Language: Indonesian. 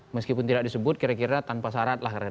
meskipun tidak disebut kira kira tanpa syarat lah